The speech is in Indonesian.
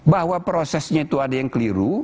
bahwa prosesnya itu ada yang keliru